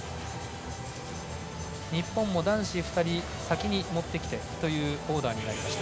日本も男子２人先に持ってきてというオーダーになりました。